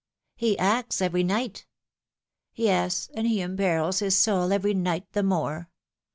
He acts every night." Yes, and he imperils his soul every night the more